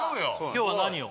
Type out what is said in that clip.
今日は何を？